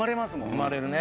生まれるね。